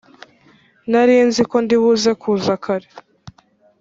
Narinziko ndi buze kuza kare